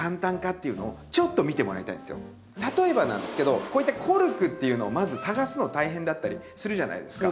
例えばなんですけどこういったコルクっていうのをまず探すの大変だったりするじゃないですか。